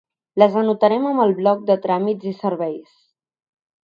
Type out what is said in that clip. Les anotarem amb el bloc de tràmits i serveis.